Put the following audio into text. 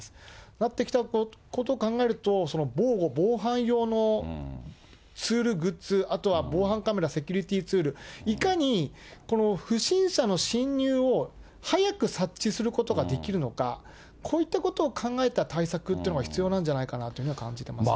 なってきたことを考えると、その防護、防犯用のツール、グッズ、あとは防犯カメラ、セキュリティーグッズ、いかにこの不審者の侵入を早く察知することができるのか、こういったことを考えた対策っていうのが必要なんじゃないかなというふうには感じてますね。